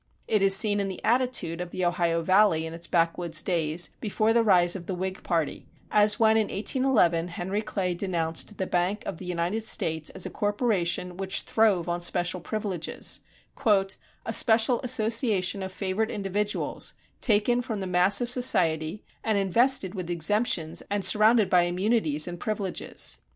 It is seen in the attitude of the Ohio Valley in its backwoods days before the rise of the Whig party, as when in 1811 Henry Clay denounced the Bank of the United States as a corporation which throve on special privileges "a special association of favored individuals taken from the mass of society, and invested with exemptions and surrounded by immunities and privileges."